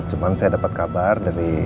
cuma saya dapat kabar dari